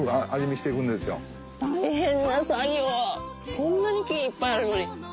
こんなに木いっぱいあるのに。